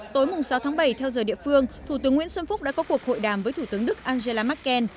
tối sáu tháng bảy theo giờ địa phương thủ tướng nguyễn xuân phúc đã có cuộc hội đàm với thủ tướng đức angela merkel